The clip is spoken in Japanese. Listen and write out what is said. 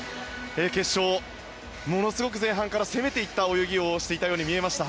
決勝、ものすごく前半から攻めた泳ぎをしていたように見えました。